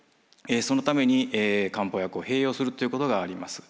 そのために漢方薬を併用するということがあります。